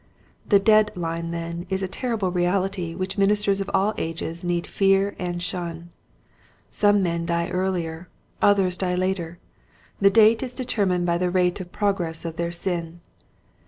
The dead line then is a terrible reality which ministers of all ages need fear and shun. Some men die earlier, others die later, the date is determined by the rate of progress of their sin.